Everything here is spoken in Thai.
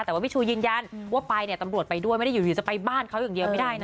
แต่ว่าพี่ชูยืนยันว่าไปเนี่ยตำรวจไปด้วยไม่ได้อยู่จะไปบ้านเขาอย่างเดียวไม่ได้นะ